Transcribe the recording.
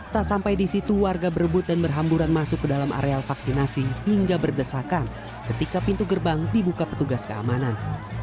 tak sampai di situ warga berebut dan berhamburan masuk ke dalam areal vaksinasi hingga berdesakan ketika pintu gerbang dibuka petugas keamanan